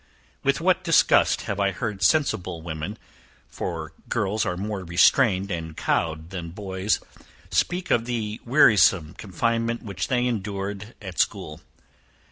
With what disgust have I heard sensible women, for girls are more restrained and cowed than boys, speak of the wearisome confinement which they endured at school.